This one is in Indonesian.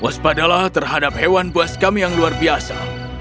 waspadalah terhadap hewan buas kami yang luar biasa